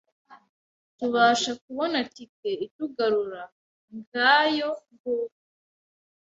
tubasha kubona ticket itugarura. Ngayo ng’uko